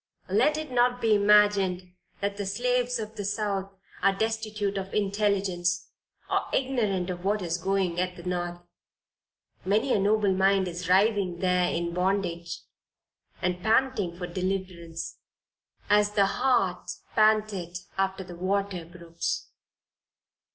Let it not be imagined that the slaves of the South are destitute of intelligence, or ignorant of what is doing at the North; many a noble mind is writhing there in bondage, and panting for deliverance, as the hart panteth after the water brooks.